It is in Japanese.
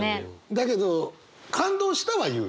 だけど「感動した」は言う？